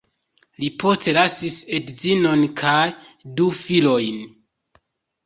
Li postlasis edzinon kaj du filojn.